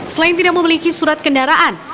selain tidak memiliki surat kendaraan